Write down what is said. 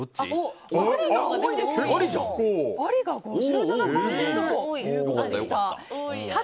ありが５７％ということでした。